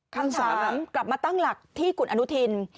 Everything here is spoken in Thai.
คำถามกลับมาตั้งหลักที่คุณอนุทิน